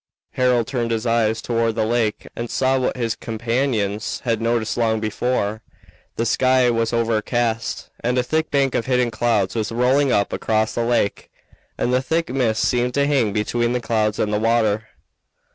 Harold turned his eyes toward the lake and saw what his companions had noticed long before. The sky was overcast and a thick bank of hidden clouds was rolling up across the lake, and the thick mist seemed to hang between the clouds and the water.